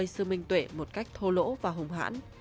sư minh tuệ một cách thô lỗ và hùng hãn